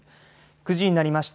９時になりました。